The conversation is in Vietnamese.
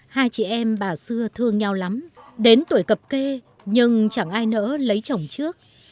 hai chị em bà xưa thương nhau lắm đến tuổi cập kê nhưng chẳng ai nỡ lấy chồng trước